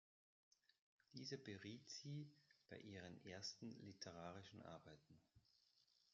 Dieser beriet sie bei ihren ersten literarischen Arbeiten.